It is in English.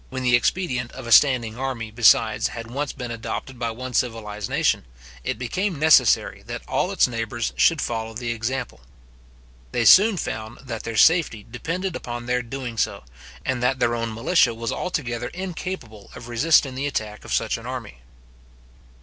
When the expedient of a standing army, besides, had once been adopted by one civilized nation, it became necessary that all its neighbours should follow the example. They soon found that their safety depended upon their doing so, and that their own militia was altogether incapable of resisting the attack of such an army.